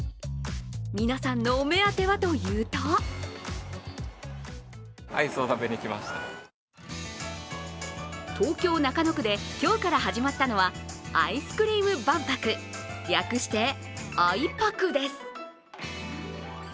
皆さんのお目当てはというと東京・中野区で今日から始まったのはアイスクリーム万博、略してあいぱくです。